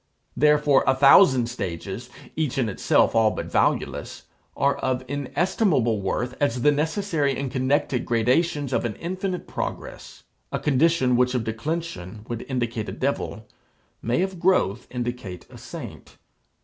Therefore a thousand stages, each in itself all but valueless, are of inestimable worth as the necessary and connected gradations of an infinite progress. A condition which of declension would indicate a devil, may of growth indicate a saint.